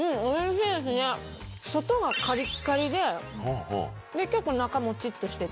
外はカリッカリで結構中モチっとしてて。